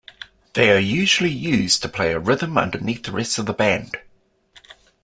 They are usually used to play a rhythm underneath the rest of the band.